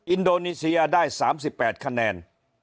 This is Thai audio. อินโดนีเซียได้๓๘คะแนน